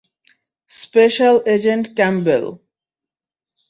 Special agent Campbell.